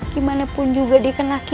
gimanapun juga dia kena aku ya